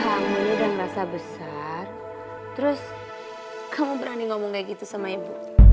kamu udah ngerasa besar terus kamu berani ngomong kayak gitu sama ibu